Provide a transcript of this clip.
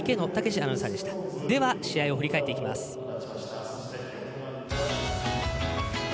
試合を振り返っていきます。